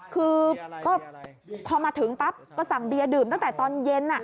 คือก็พอมาถึงปั๊บก็สั่งเบียร์ดื่มตั้งแต่ตอนเย็น